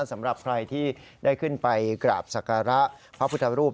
สำหรับใครที่ได้ขึ้นไปกราบศักระพระพุทธรูป